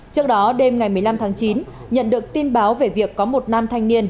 trước đó đêm ngày một mươi năm tháng chín nhận được tin báo về việc có một nam thanh niên